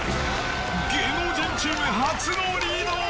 芸能人チーム初のリード。